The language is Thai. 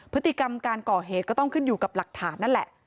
พฤติกรรมการก่อเหตุก็ต้องขึ้นอยู่กับหลักฐานนั่นแหละ